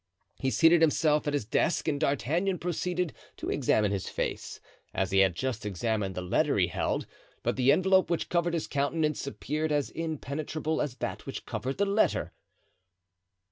He seated himself at his desk and D'Artagnan proceeded to examine his face, as he had just examined the letter he held, but the envelope which covered his countenance appeared as impenetrable as that which covered the letter.